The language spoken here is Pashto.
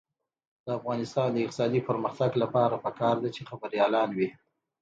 د افغانستان د اقتصادي پرمختګ لپاره پکار ده چې خبریالان وي.